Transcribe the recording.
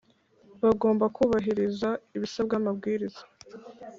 bagomba kubahiriza ibisabwa n amabwiriza